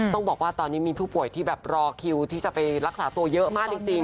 ต้องบอกว่าตอนนี้มีผู้ป่วยที่แบบรอคิวที่จะไปรักษาตัวเยอะมากจริง